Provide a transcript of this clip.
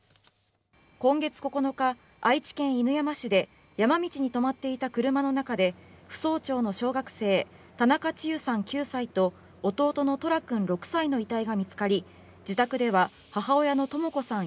今月９日、愛知県犬山市で山道に止まっていた車の中で扶桑町の小学生、田中千結さん９歳と弟の十楽君６歳の遺体が見つかり自宅では母親の智子さん